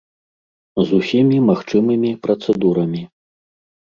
З усімі магчымымі працэдурамі.